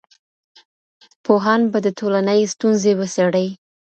پوهان به د ټولني ستونزې وڅېړي.